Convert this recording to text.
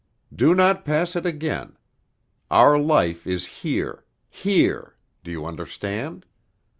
Do not pass it again. Our life is here, here, do you understand?